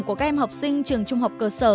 của các em học sinh trường trung học cơ sở